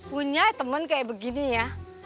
punya teman kayak begini ya